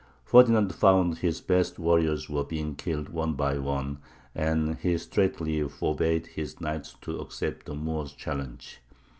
Ferdinand found his best warriors were being killed one by one, and he straitly forbade his knights to accept the Moors' challenge.